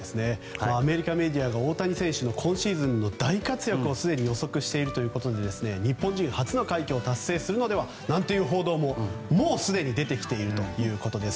アメリカメディアが大谷選手の今シーズンの大活躍をすでに予測しているということで日本人初の快挙を達成するのではという報道ももうすでに出てきているということです。